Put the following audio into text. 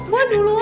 gue duluan ya